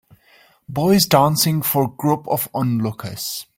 Boys dancing for group of onlookers.